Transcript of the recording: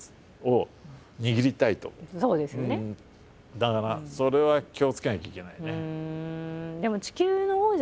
だからそれは気をつけなきゃいけないね。